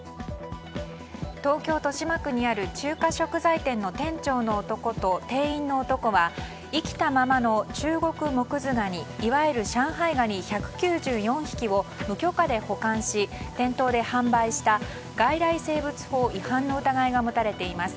東京・豊島区にある中華食材店の店長の男と店員の男は生きたままのチュウゴクモクズガニいわゆる上海ガニ１９４匹を無許可で保管し店頭で販売した外来生物法違反の疑いが持たれています。